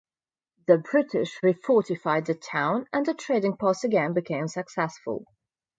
The British refortified the town, and the trading post again became successful.